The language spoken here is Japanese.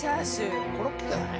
コロッケじゃない？